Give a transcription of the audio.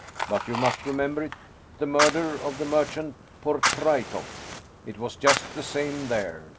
But you must remember it the murder of the mer chant Portraitoff. It was just the same there.